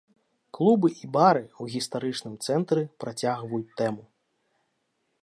Клубы і бары ў гістарычным цэнтры працягваюць тэму.